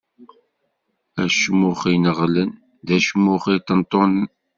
Acmux ineɣlen, d acmux iṭenṭunen.